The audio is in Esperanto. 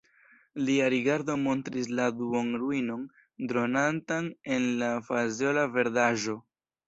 Lia rigardo montris la duonruinon, dronantan en la fazeola verdaĵo.